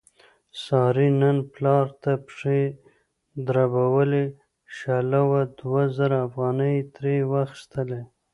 سارې نن پلار ته پښې دربولې، شله وه دوه زره افغانۍ یې ترې واخستلې.